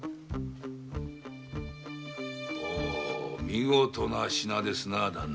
見事な品ですな。